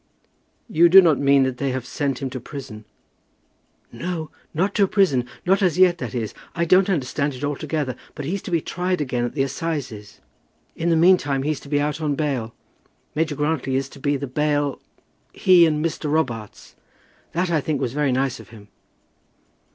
"You do not mean that they have sent him to prison?" "No; not to prison; not as yet, that is. I don't understand it altogether; but he's to be tried again at the assizes. In the meantime he's to be out on bail. Major Grantly is to be the bail, he and Mr. Robarts. That, I think, was very nice of him."